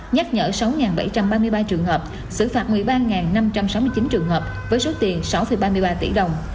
nhắc nhở sáu bảy trăm ba mươi ba trường hợp xử phạt một mươi ba năm trăm sáu mươi chín trường hợp với số tiền sáu ba mươi ba tỷ đồng